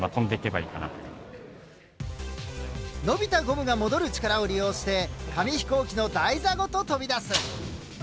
伸びたゴムが戻る力を利用して紙飛行機の台座ごと飛び出す。